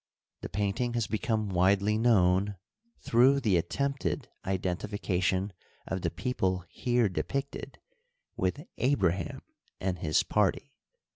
The painting has become widely known through the attempted identification of the people here depicted with Abraham and his party.